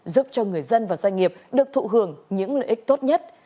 các doanh nghiệp được thụ hưởng những lợi ích tốt nhất